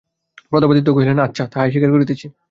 প্রতাপাদিত্য কহিলেন, আচ্ছা, তাহাই স্বীকার করিতেছি।